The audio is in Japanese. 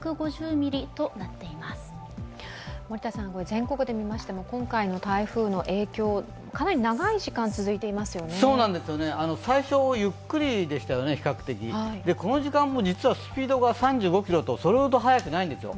全国で見ましても今回の台風の影響かなり長い時間、続いていますよね最初ゆっくりでしたよね、比較的この時間も実はスピードが３５キロとそれほど速くないんですよ。